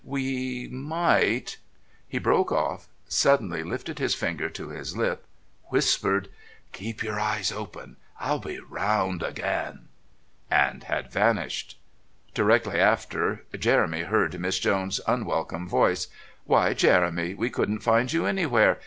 We might " He broke off, suddenly lifted his finger to his lip, whispered: "Keep your eyes open. I'll be round again," and had vanished. Directly after Jeremy heard Miss Jones's unwelcome voice: "Why, Jeremy, we couldn't find you anywhere.